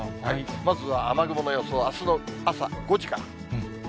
まずは雨雲の予想、あすの朝５時から。